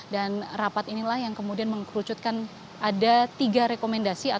dan rapat inilah yang kemudian mengkerucutkan ada tiga rekomendasi